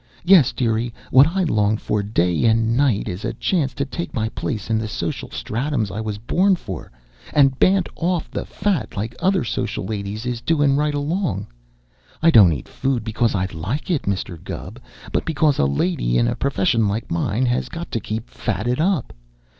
Yes, dearie, what I long for day and night is a chance to take my place in the social stratums I was born for and bant off the fat like other social ladies is doin' right along. I don't eat food because I like it, Mr. Gubb, but because a lady in a profession like mine has got to keep fatted up.